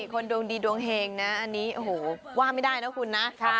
คนดวงดีดวงแฮงนะอันนี้โหว่ว่าไม่ได้เนอะคุณนะค่ะ